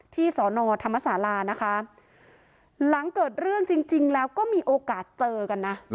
สอนอธรรมศาลานะคะหลังเกิดเรื่องจริงแล้วก็มีโอกาสเจอกันนะ